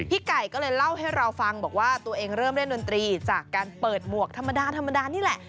ไก่ก็เลยเล่าให้เราฟังบอกว่าตัวเองเริ่มเล่นดนตรีจากการเปิดหมวกธรรมดาธรรมดานี่แหละ